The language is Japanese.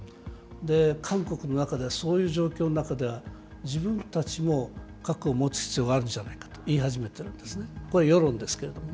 韓国の中では、そういう状況の中では、自分たちも核を持つ必要があるんじゃないかと言い始めているんですね、これ、世論ですけどね。